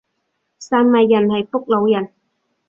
汕尾人係福佬人